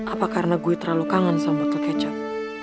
apa karena gue terlalu kangen sama kak kecap